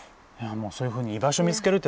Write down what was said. そういうふうに居場所見つけるって